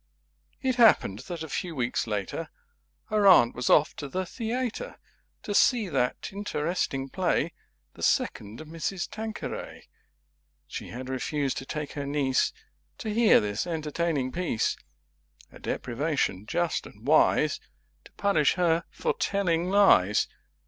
It happened that a few Weeks later Her Aunt was off to the Theatre To see that Interesting Play The Second Mrs. Tanqueray. [Pg 26] She had refused to take her Niece To hear this Entertaining Piece: A Deprivation Just and Wise To Punish her for Telling Lies.